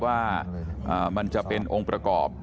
ว่ามันจะเป็นองค์ประกอบ